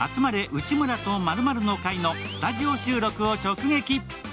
内村と○○の会」のスタジオ収録を直撃。